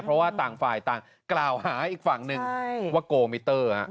เพราะว่าต่างฝ่ายต่างกล่าวหาอีกฝั่งหนึ่งว่าโกมิเตอร์